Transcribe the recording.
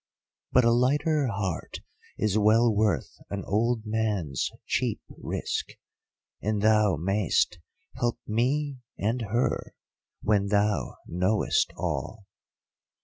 "But a lighter heart is well worth an old man's cheap risk, and thou may'st help me and her, when thou knowest all.